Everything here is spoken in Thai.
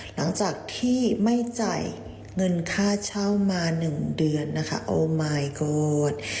หลังจากที่ไม่จ่ายเงินค่าเช่ามา๑เดือนนะคะโอมายโกรธ